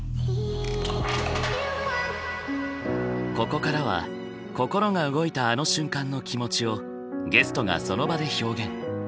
ここからは心が動いたあの瞬間の気持ちをゲストがその場で表現。